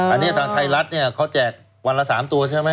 อันนี้ทางไทยรัฐเนี่ยเขาแจกวันละ๓ตัวใช่ไหม